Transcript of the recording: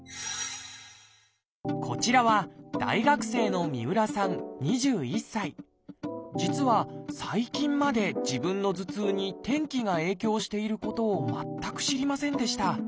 こちらは大学生の実は最近まで自分の頭痛に天気が影響していることを全く知りませんでした。